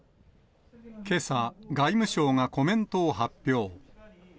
けさ、外務省がコメントを発表。